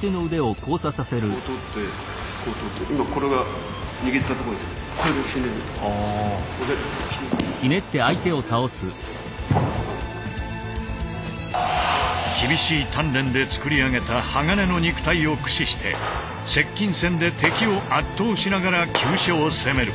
こう取ってこう取って厳しい鍛錬でつくり上げた鋼の肉体を駆使して接近戦で敵を圧倒しながら急所を攻める。